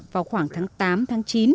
vào khoảng tháng tám tháng chín